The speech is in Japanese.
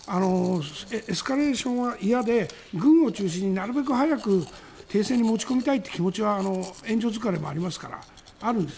エスカレーションは嫌で軍を中心になるべく早く停戦に持ち込みたいという気持ちは援助疲れもありますからあるんです。